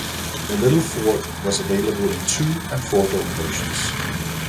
The little Ford was available in two and four-door versions.